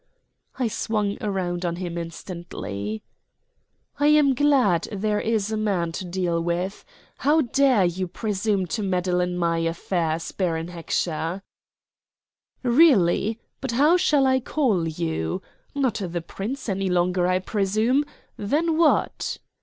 I swung round on him instantly. "I am glad there is a man to deal with. How dare you presume to meddle in my affairs, Baron Heckscher?" "Really but how shall I call you? Not the Prince any longer, I presume? Then what?"